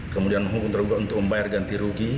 kemudian hukum tergugat untuk membayar ganti rugi